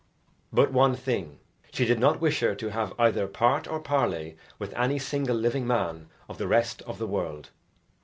But one thing, she did not wish her to have either part or parley with any single living man of the rest of the world.